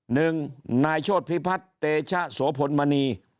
หนึ่งนายโชธพิพัฒน์เตชะโสพลมณี